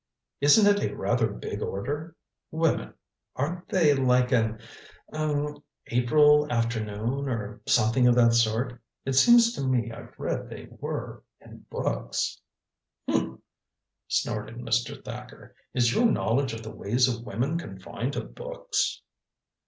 "Isn't it a rather big order? Women aren't they like an er April afternoon or something of that sort? It seems to me I've read they were in books." "Humph," snorted Mr. Thacker. "Is your knowledge of the ways of women confined to books?"